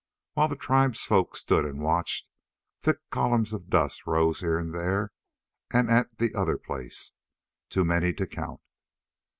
While the tribesfolk stood and watched, thick columns of dust rose here and there and at the other place, too many to count.